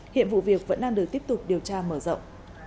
hiện vụ việc vẫn đang được tiếp tục điều tra mở rộng